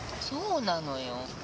そうなのよ。